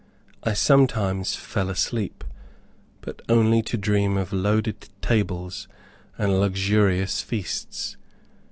I sometimes fell asleep, but only to dream of loaded tables and luxurious feasts.